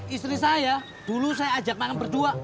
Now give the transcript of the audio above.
istri saya dulu saya ajak makan berdua